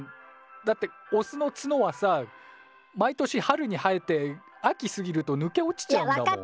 だってオスのツノはさ毎年春に生えて秋過ぎるとぬけ落ちちゃうんだもん。